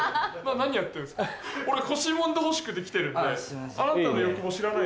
何やってるんですか俺腰もんでほしくて来てるんで。すいません。